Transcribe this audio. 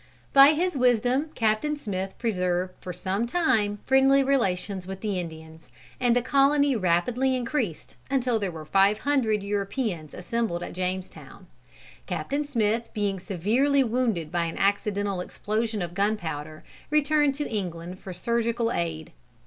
By his wisdom Captain Smith preserved for some time friendly relations with the Indians, and the colony rapidly increased, until there were five hundred Europeans assembled at Jamestown. Capt. Smith being severely wounded by an accidental explosion of gunpowder, returned to England for surgical aid.